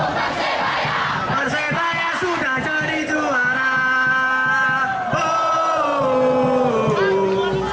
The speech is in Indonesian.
persebaya persebaya persebaya sudah jadi juara